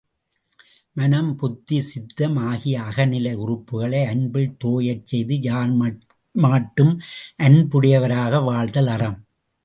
மனம், புத்தி சித்தம் ஆகிய அகநிலை உறுப்புக்களை அன்பில் தோயச் செய்து யார் மாட்டும் அன்புடையராக வாழ்தல் அறம்.